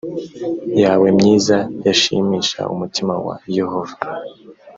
yawe myiza yashimisha umutima wa yehova